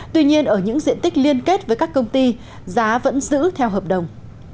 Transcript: tuy nhiên ở những diện tích liên kết với các công ty giá vẫn giữ theo hợp đồng